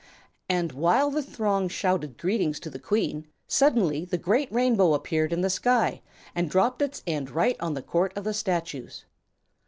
And, while the throng shouted greetings to the Queen, suddenly the great Rainbow appeared in the sky and dropped its end right on the Court of the Statues.